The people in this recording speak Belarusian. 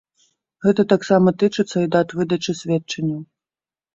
Гэта таксама тычыцца і дат выдачы сведчанняў.